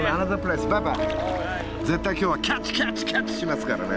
絶対今日はキャッチキャッチキャッチしますからね！